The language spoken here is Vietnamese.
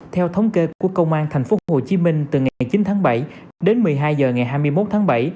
theo thống kê của công an thành phố hồ chí minh từ ngày chín tháng bảy đến một mươi hai giờ ngày hai mươi một tháng bảy